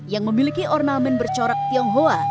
yang memiliki ornamen bercorak tionghoa